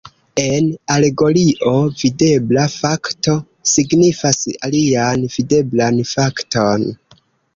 En alegorio, videbla fakto signifas alian videblan fakton.